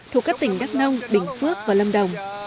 thuộc các tỉnh đắk nông bình phước và lâm đồng